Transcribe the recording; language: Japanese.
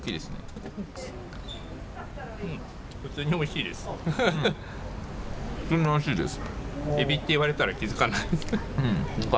普通においしいです。